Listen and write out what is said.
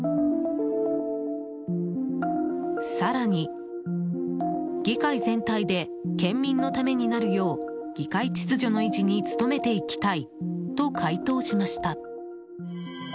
更に、議会全体で県民のためになるよう議会秩序の維持に努めていきたいと回答しました。